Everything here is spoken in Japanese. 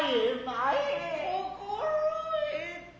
心得た。